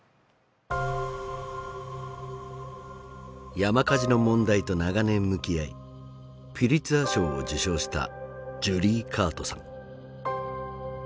山火事の問題と長年向き合いピュリツァー賞を受賞したジュリー・カートさん。